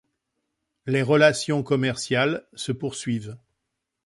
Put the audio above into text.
Les relations commerciales se poursuivent.